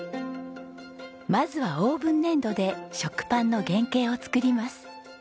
まずはオーブン粘土で食パンの原型を作ります。